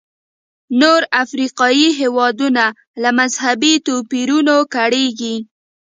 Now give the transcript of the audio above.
نور افریقایي هېوادونه له مذهبي توپیرونو کړېږي.